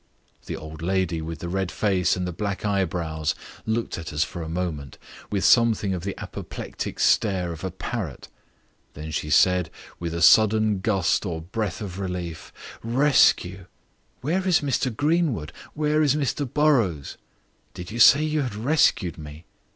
The old lady with the red face and the black eyebrows looked at us for a moment with something of the apoplectic stare of a parrot. Then she said, with a sudden gust or breathing of relief: "Rescue? Where is Mr Greenwood? Where is Mr Burrows? Did you say you had rescued me?"